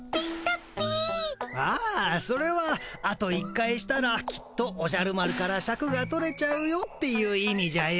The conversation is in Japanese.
ああそれは「あと一回したらきっとおじゃる丸からシャクが取れちゃうよ」っていう意味じゃよ。